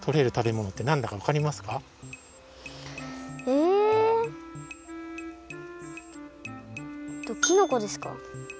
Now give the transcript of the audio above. えきのこですか？